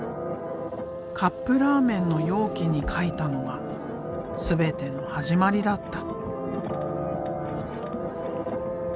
カップラーメンの容器に描いたのが全ての始まりだった。